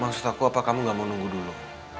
maksud aku apa kamu gak mau nunggu dulu